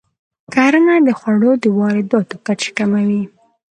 کرنه د خوړو د وارداتو کچه کموي.